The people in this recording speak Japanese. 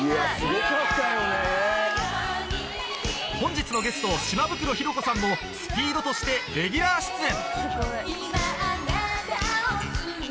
本日のゲスト島袋寛子さんも ＳＰＥＥＤ としてレギュラー出演